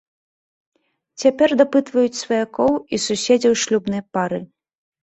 Цяпер дапытваюць сваякоў і суседзяў шлюбнай пары.